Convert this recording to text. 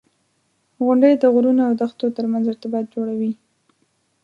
• غونډۍ د غرونو او دښتو ترمنځ ارتباط جوړوي.